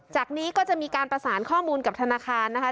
จากนี้ก็จะมีการประสานข้อมูลกับธนาคารนะคะ